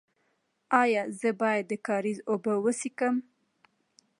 ایا زه باید د کاریز اوبه وڅښم؟